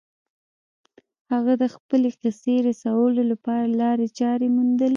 هغه د خپلې کیسې رسولو لپاره لارې چارې وموندلې